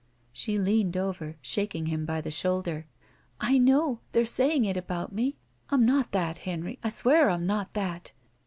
She leaned over, shaking him by the shoulder. "I know. They're saying it about me. I'm not that, Henry. I swear I'm not that!